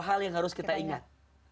hal yang harus kita ingat